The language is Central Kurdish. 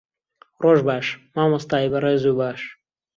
ڕۆژ باش، مامۆستای بەڕێز و باش.